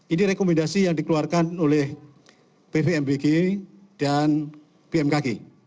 ini rekomendasi yang dikeluarkan oleh bvmbg dan bmkg